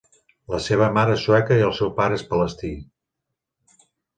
La seva mare és sueca i el seu pare és palestí.